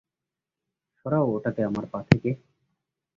সরাও ওটাকে আমার পা থেকে!